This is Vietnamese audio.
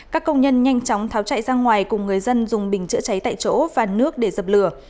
các công nhân nhanh chóng tháo chạy ra ngoài cùng người dân dùng bình chữa cháy tại chỗ và nước để dập lửa